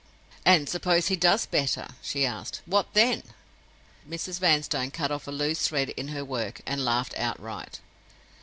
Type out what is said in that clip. "And suppose he does better?" she asked. "What then?" Mrs. Vanstone cut off a loose thread in her work, and laughed outright.